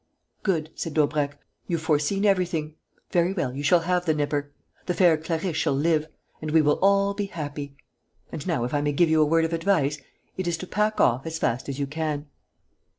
"Good," said Daubrecq; "you've foreseen everything. Very well, you shall have the nipper; the fair Clarisse shall live; and we will all be happy. And now, if I may give you a word of advice, it is to pack off as fast as you can."